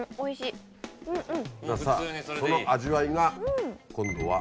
さぁその味わいが今度は。